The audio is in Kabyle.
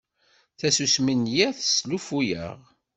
Tasusmi n yiḍ teslufu-aɣ.